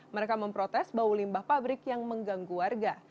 mereka memprotes bau limbah pabrik yang mengganggu warga